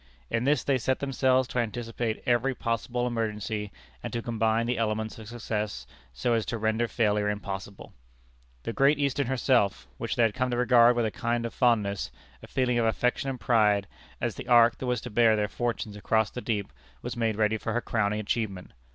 In this they set themselves to anticipate every possible emergency, and to combine the elements of success so as to render failure impossible. The Great Eastern herself, which they had come to regard with a kind of fondness, a feeling of affection and pride, as the ark that was to bear their fortunes across the deep, was made ready for her crowning achievement.